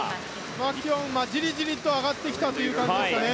マキュオンじりじり上がってきたという感じですね。